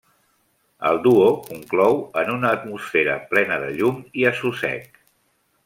El duo conclou en una atmosfera plena de llum i assossec.